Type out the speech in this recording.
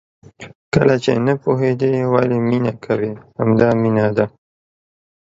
کله چې نه پوهېدې ولې مینه کوې؟ همدا مینه ده.